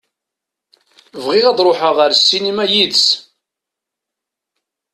Bɣiɣ ad ṛuḥeɣ ar ssinima yid-s.